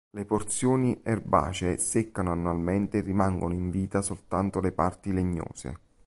Le porzioni erbacee seccano annualmente e rimangono in vita soltanto le parti legnose.